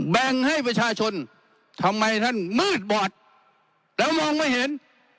แบ่งให้ประชาชนทำไมท่านมืดบอดแล้วมองไม่เห็น